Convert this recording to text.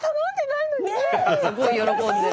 すごい喜んでる。